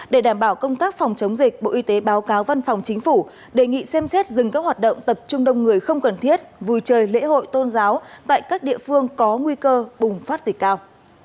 để đảm bảo công tác phòng chống dịch bộ y tế báo cáo văn phòng chính phủ đề nghị xem xét dừng các hoạt động tập trung đông người không cần thiết vui chơi lễ hội tôn giáo tại các địa phương có nguy cơ bùng phát dịch cao